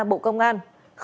bộ công an